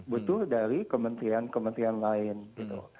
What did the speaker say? butuh dari kementerian kementerian lain gitu